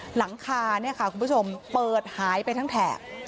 หลังคาคุณผู้ชมเปิดหายไปทั้งแถบ